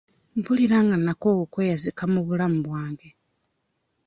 Mpulira nga nnakoowa okweyazika mu bulamu bwange.